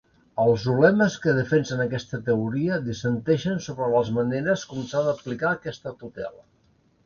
Els ulemes que defensen aquesta teoria dissenteixen sobre les maneres com s'ha d'aplicar aquesta tutela.